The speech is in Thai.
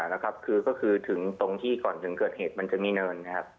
นะครับคือก็คือถึงตรงที่ก่อนถึงเกิดเหตุมันจะมีเนินนะครับ